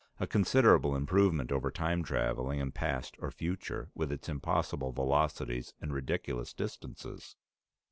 A considerable improvement over time traveling in past or future, with its impossible velocities and ridiculous distances!"